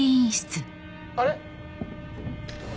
あれ？